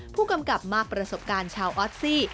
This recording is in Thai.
ผู้กำกับมากประสบการณ์ชาวออสซี่